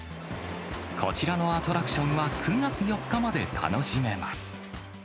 こちらのアトラクションは９月４日まで楽しめます。